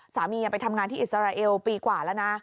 สามีไปทำงานที่อิสราเอลปีกว่าแล้วนะ